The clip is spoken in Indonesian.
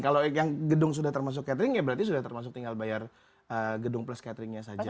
kalau yang gedung sudah termasuk catering ya berarti sudah termasuk tinggal bayar gedung plus cateringnya saja